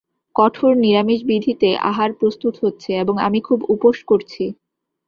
কঠোর নিরামিষবিধিতে আহার প্রস্তুত হচ্ছে, এবং আমি খুব উপোস করছি।